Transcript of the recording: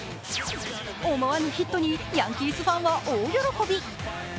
思わぬヒットにヤンキースファンは大喜び。